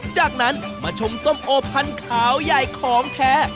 จากนั้นมาชมส้มโอพันขาวย่ายของแท้